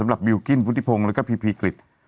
สำหรับบิลกิ้นวุฒิพงษ์แล้วก็พีพีกริจ